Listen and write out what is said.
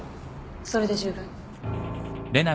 それで十分。